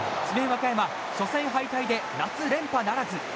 和歌山、初戦敗退で夏連覇ならず。